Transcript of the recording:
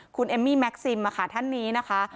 คุณเอมมี่แม็กซิมท่านนี้นะคะ